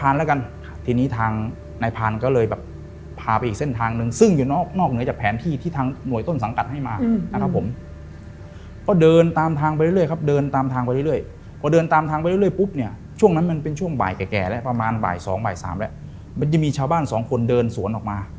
มันจะมีชาวบ้านสองคนเดินสวนออกมา